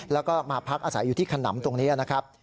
แล้วก็มาพักอาศัยอยู่ที่ขนำตรงนี้นะครับ